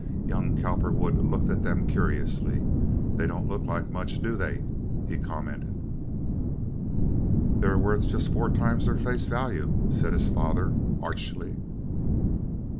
Young Cowperwood looked at them curiously. "They don't look like much, do they?" he commented. "They are worth just four times their face value," said his father, archly.